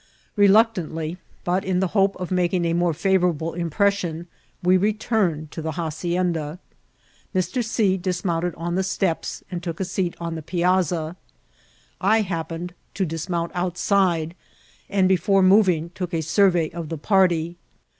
Keluctantly, but in the hope of making a more favourable impression, we returned to the hacienda. Mr. C. dismounted on the steps, and took a seat on the piasza. I happened to dismount outside ; and, before moving, took a survey of the party.